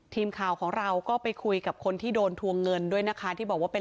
ทีมข่าวของเราก็ไปคุยกับคนที่โดนทวงเงินด้วยนะคะที่บอกว่าเป็น